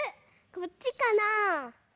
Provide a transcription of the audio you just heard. こっちかな？